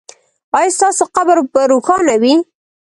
ایا ستاسو قبر به روښانه وي؟